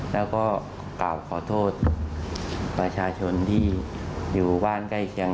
แล้วก็กล่าวขอโทษประชาชนที่อยู่บ้านใกล้เคียง